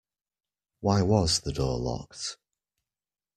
Why was the door locked?